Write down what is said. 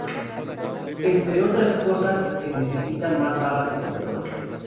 Entre otras cosas se necesitan más barras de control.